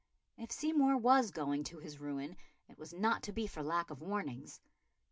If Seymour was going to his ruin it was not to be for lack of warnings.